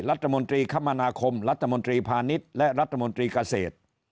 รัฐมนตรีคมนาคมรัฐมนตรีพาณิชย์และรัฐมนตรีเกษตร